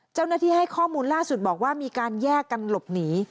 เจ้าหน้าที่ให้ข้อมูลล่าสุดบอกว่ามีการแยกกันหลบหนี